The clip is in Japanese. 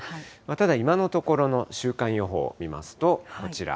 ただ、今のところの週間予報を見ますと、こちら。